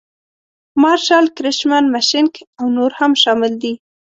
مارشال کرشمن مشینک او نور هم شامل دي.